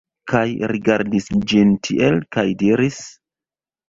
Kaj rigardis ĝin tiel, kaj diris: